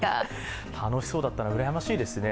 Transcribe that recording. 楽しそうだったな、うらやましいですね。